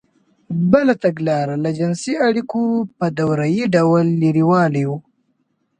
بله تګلاره له جنسـي اړیکو په دورهیي ډول لرېوالی و.